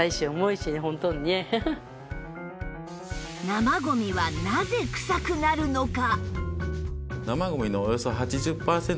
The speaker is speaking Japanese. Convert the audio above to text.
生ゴミはなぜ臭くなるのか？